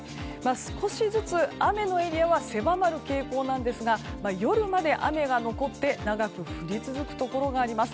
少しずつ雨のエリアは狭まる傾向なんですが夜まで雨が残って長く降り続くところがあります。